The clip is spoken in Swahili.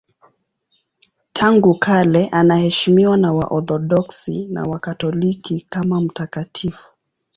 Tangu kale anaheshimiwa na Waorthodoksi na Wakatoliki kama mtakatifu.